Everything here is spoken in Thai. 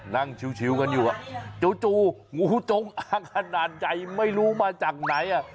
นั่งชิวกันอยู่จู่งูจงอ้างขนาดใหญ่ไม่รู้มาจากไหน